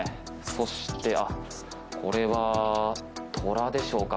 そして、これはトラでしょうか。